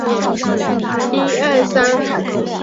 民国五十三年出任中华民国驻厄瓜多尔大使。